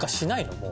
もう。